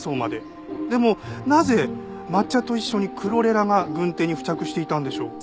でもなぜ抹茶と一緒にクロレラが軍手に付着していたんでしょう？